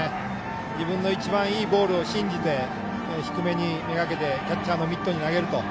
自分の一番いいボールを信じて低めにめがけてキャッチャーのミットに投げる。